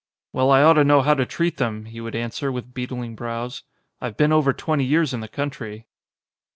"Well, I ought to know how to treat them," he would answer with beetling brows, "I've been over twenty years in the country."